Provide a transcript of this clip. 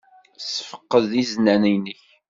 Ssefqed iznan-nnek.